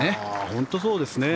本当にそうですね。